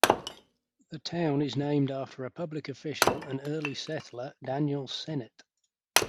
The town is named after a public official and early settler, Daniel Sennett.